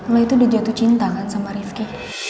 lo itu udah jatuh cinta kan sama rifki